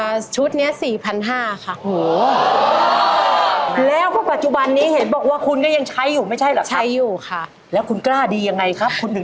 รู้ครับคุณไม่กลัวหรือครับ